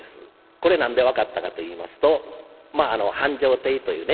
これ何で分かったかといいますと繁昌亭というね